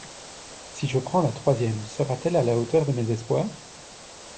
Si je prends la troisième, sera-t-elle à la hauteur de mes espoirs?